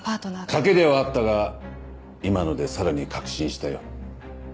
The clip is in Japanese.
賭けではあったが今のでさらに確信したよ。